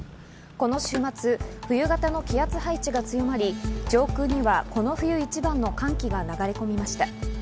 この週末、冬型の気圧配置が強まり、上空にはこの冬一番の寒気が流れ込みました。